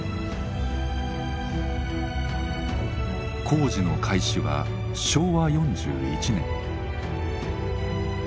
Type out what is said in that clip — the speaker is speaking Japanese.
工事の開始は昭和４１年。